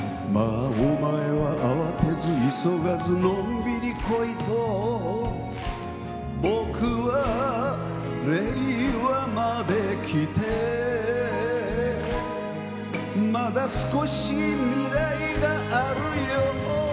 あお前は慌てず急がずのんびり来いと僕は令和まで来てまだ少し未来があるようだ